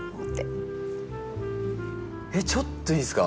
ちょっといいですか？